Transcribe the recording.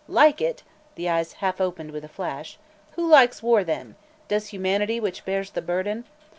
"Like it?" the eyes half opened with a flash. "Who likes war, then? Does humanity, which bears the burden?